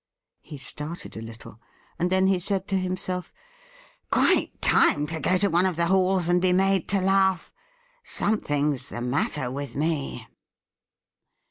He started a little, and then he said to himself :' Quite time to go to one of the halls and be made to laugh : something's the matter with me.'